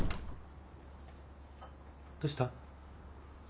どうした？